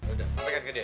udah sampaikan ke dia ya